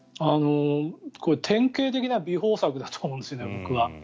典型的な弥縫策だと思うんですよね、僕は。